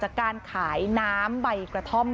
การขายน้ำใบกระท่อม